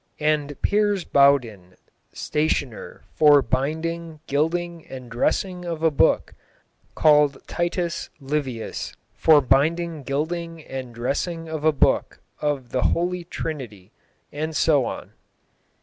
viijd."; and "Piers Bauduyn, stacioner, for bynding gilding and dressing of a booke called Titus Livius xxs., for binding gilding and dressing of a booke of the The Holy Trinity xvjs.," and so on.